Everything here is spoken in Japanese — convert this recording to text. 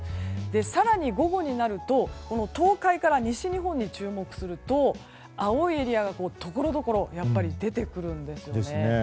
更に、午後になると東海から西日本に注目すると青いエリアがところどころ出てくるんですよね。